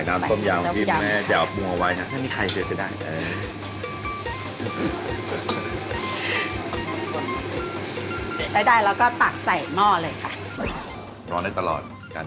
ต้มยำหัวพุ่งไข่ปลา